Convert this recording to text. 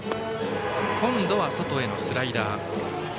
今度は外へのスライダー。